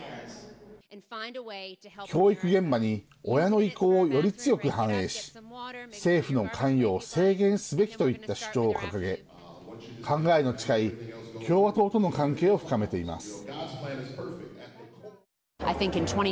教育現場に親の意向をより強く反映し政府の関与を制限すべきといった主張を掲げ考えの近い、共和党との関係を深めています。